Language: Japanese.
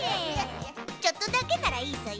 ちょっとだけならいいソヨ。